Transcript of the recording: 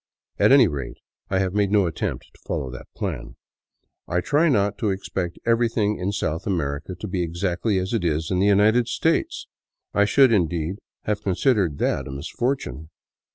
At any rate, I have made no attempt to follow that plan. I tried not to ex pect everything in South America to be exactly as it is in the United States — I should, indeed, have considered that a misfortune.